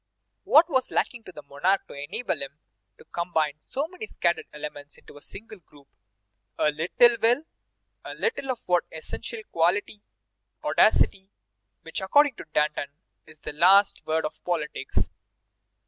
What was lacking to the monarch to enable him to combine so many scattered elements into a solid group? A little will, a little of that essential quality, audacity, which, according to Danton, is the last word of politics.